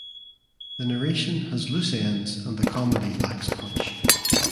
The narration has loose ends and the comedy lacks punch.